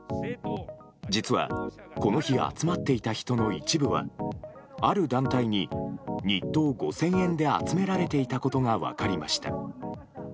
実は、この日集まっていた人の一部はある団体に日当５０００円で集められていたことが分かりました。